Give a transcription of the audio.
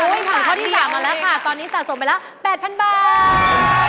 ผ่านข้อที่๓มาแล้วค่ะตอนนี้สะสมไปแล้ว๘๐๐๐บาท